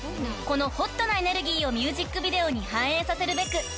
［このホットなエネルギーをミュージックビデオに反映させるべく］